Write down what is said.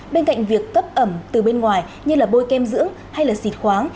bên cạnh việc cấp ẩm từ bên ngoài như bôi kem dưỡng hay xịt khoáng